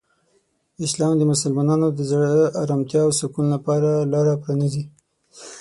اسلام د مسلمانانو د زړه آرامتیا او سکون لپاره لاره پرانیزي.